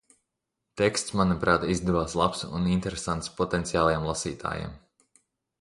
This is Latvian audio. Teksts manuprāt izdevās labs un interesants potenciāliem lasītājiem.